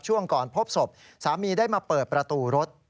ช่วงก่อนพบศพสามีได้มาเปิดประตูรถ